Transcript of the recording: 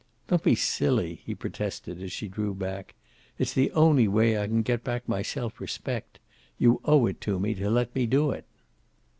"Don't be silly," he protested, as she drew back. "It's the only way I can get back my self respect. You owe it to me to let me do it."